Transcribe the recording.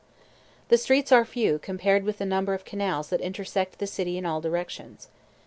The streets are few compared with the number of canals that intersect the city in all directions.